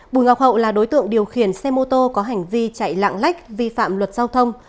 bùi ngọc hậu là đối tượng điều khiển xe mô tô có hành vi chạy lạng lách vi phạm luật giao thông